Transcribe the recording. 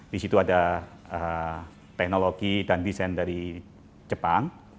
di situ ada teknologi dan desain dari jepang